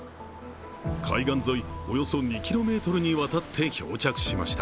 海岸沿い、およそ２ｋｍにわたって漂着しました。